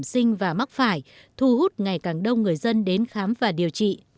sinh và mắc phải thu hút ngày càng đông người dân đến khám và điều trị